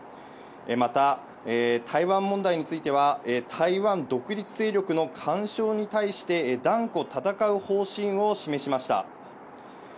また台湾問題については、台湾独立勢力の干渉に対して断固戦う方針を示しました。